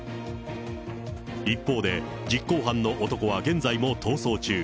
一方で、実行犯の男は現在も逃走中。